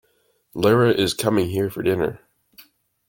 Lara is coming here for dinner.